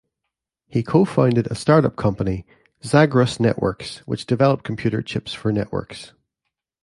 He co-founded a start-up company, Zagros Networks, which developed computer chips for networks.